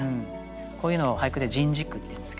こういうのを俳句で「人事句」っていうんですけど。